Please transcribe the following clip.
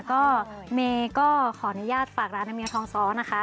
ก็เมย์ก็ขออนุญาตฝากร้านนะเมียทองซ้อนะคะ